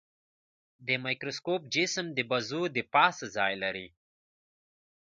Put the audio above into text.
د مایکروسکوپ جسم د بازو د پاسه ځای لري.